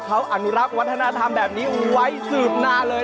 เขาอนุรักษ์วัฒนธรรมแบบนี้ไว้สืบนานเลย